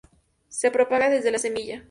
Se propaga desde la semilla.